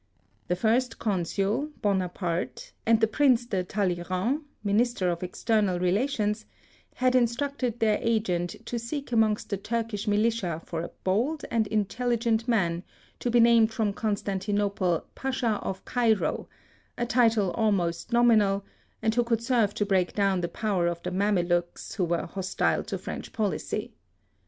The First Consul, Bonaparte, and the Prince de Talle3rrand, minister of external relations, had instructed their agent to seek amongst the Turkish militia for a bold and intelligent man to be named from Constan tinople Pacha of Cairo, a title almost nom inal, and who could serve to break down the power of the Mamelukes, who were hos tile to French policy.